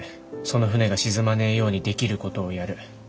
その船が沈まねえようにできることをやる。